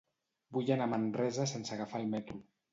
Vull anar a Manresa sense agafar el metro.